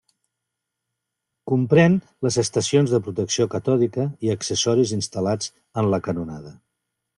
Comprén les estacions de protecció catòdica i accessoris instal·lats en la canonada.